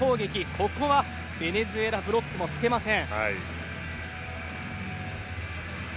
ここはベネズエラブロックもつけません。